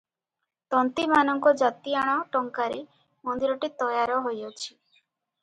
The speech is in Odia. ତନ୍ତୀମାନଙ୍କ ଜାତିଆଣ ଟଙ୍କାରେ ମନ୍ଦିରଟି ତୟାର ହୋଇଅଛି ।